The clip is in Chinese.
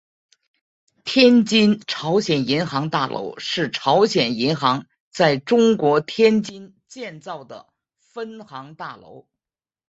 天津朝鲜银行大楼是朝鲜银行在中国天津建造的分行大楼。